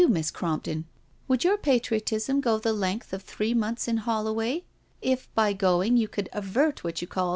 Miss Crompton, would your pa triotism go the length of three months in Holloway, if by going you could avert what you call.